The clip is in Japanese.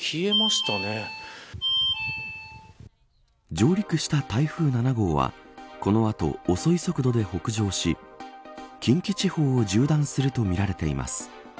上陸した台風７号はこの後、遅い速度で北上し近畿地方を縦断するとみられています。